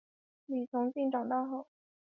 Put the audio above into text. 李从庆长大后过继给楚定王李景迁。